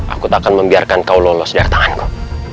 aku tak akan membiarkan kau lolos dari tanganmu